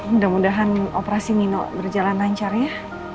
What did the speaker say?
mudah mudahan operasi nino berjalan lancar ya